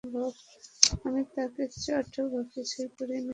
আমি তাকে টাচ বা কিছুই করি নাই।